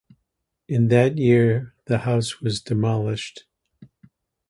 In that year the house was demolished.